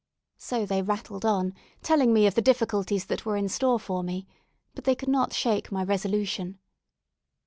So they rattled on, telling me of the difficulties that were in store for me. But they could not shake my resolution.